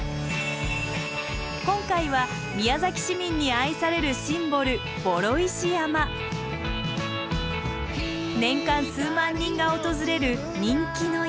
今回は宮崎市民に愛されるシンボル年間数万人が訪れる人気の山。